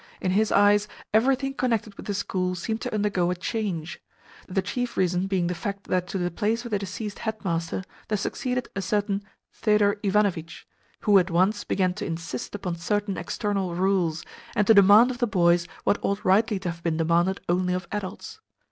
In his eyes everything connected with the school seemed to undergo a change the chief reason being the fact that to the place of the deceased headmaster there succeeded a certain Thedor Ivanovitch, who at once began to insist upon certain external rules, and to demand of the boys what ought rightly to have been demanded only of adults.